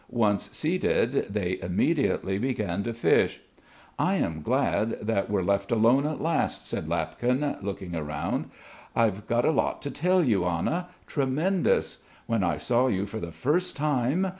Once seated, they immediately began to fish. "I am glad that we're left alone at last," said Lapkin, looking round. I've got a lot to tell you, Anna tremendous ... when I saw you for the first time